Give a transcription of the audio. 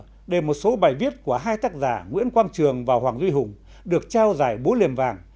đó là cơ sở để một số bài viết của hai tác giả nguyễn quang trường và hoàng duy hùng được trao giải bố liềm vàng